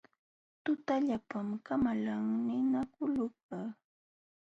Tutallapam kamalan ninakulukaq.